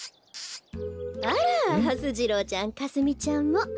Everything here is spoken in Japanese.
あらはす次郎ちゃんかすみちゃんも。